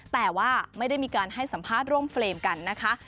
แต่ว่าไม่ได้มีการให้สัมภาษณ์ร่วมเฟรมกันนะคะ